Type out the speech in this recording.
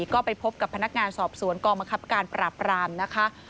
ก็ไปพบกับพนักงานสอบสวนกองบังคับการปราบรามนะคะ